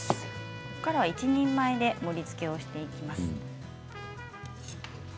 ここからは一人前で盛りつけをしていきます。